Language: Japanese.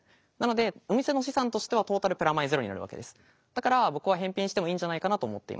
だから僕は返品してもいいんじゃないかなと思っています。